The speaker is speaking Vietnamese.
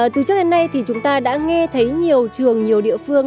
từ trước đến nay thì chúng ta đã nghe thấy nhiều trường nhiều địa phương